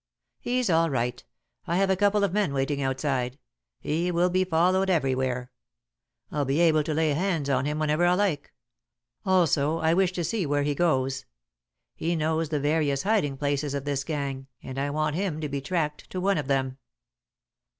"He's all right. I have a couple of men waiting outside. He will be followed everywhere. I'll be able to lay hands on him whenever I like. Also I wish to see where he goes. He knows the various hiding places of this gang, and I want him to be tracked to one of them."